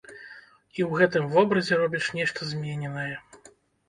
І ў гэтым вобразе робіш нешта змененае.